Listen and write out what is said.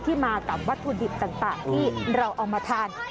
มากับวัตถุดิบต่างที่เราเอามาทาน